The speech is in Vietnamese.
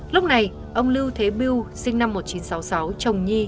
lúc này ông lưu thế biêu sinh năm một nghìn chín trăm sáu mươi sáu chồng nhi